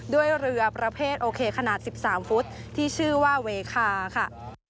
ด้วยเรือประเภทโอเคขนาด๑๓ฟุตที่ชื่อว่าเวคาค่ะ